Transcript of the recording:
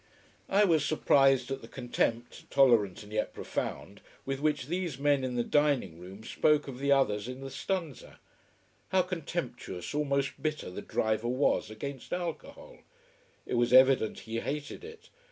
I was surprised at the contempt, tolerant and yet profound, with which these three men in the dining room spoke of the others in the stanza. How contemptuous, almost bitter, the driver was against alcohol. It was evident he hated it.